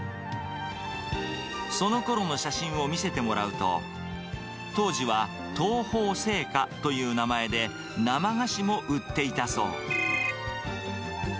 そのころの写真を見せてもらうと、当時は東宝製菓という名前で、生菓子も売っていたそう。